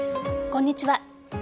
こんにちは。